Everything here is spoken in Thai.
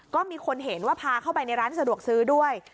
ก็มีคนเห็นว่าพาเข้าไปในร้านสะดวกซื้อด้วย